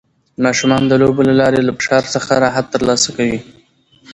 ماشومان د لوبو له لارې له فشار څخه راحت ترلاسه کوي.